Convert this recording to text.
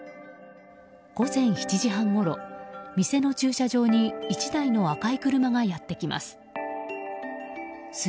午前７時半ごろ、店の駐車場に１台の赤い車がやってきます。